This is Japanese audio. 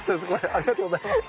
ありがとうございます。